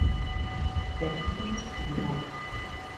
Permítanme dubidalo.